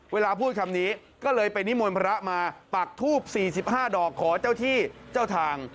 เวลาพูดคำนี้ก็เลยไปนิมนต์พระมาปักทูบ๔๕ดอกขอเจ้าที่เจ้าทาง